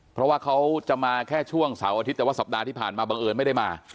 เพราะว่าเขาจะมาแค่ช่วงเสาร์อาทิตย์แต่ว่าสัปดาห์ที่ผ่านมาบังเอิญไม่ได้มา